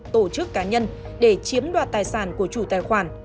tổ chức cá nhân để chiếm đoạt tài sản của chủ tài khoản